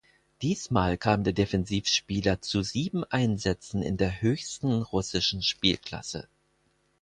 Diesmal kam der Defensivspieler zu sieben Einsätzen in der höchsten russischen Spielklasse.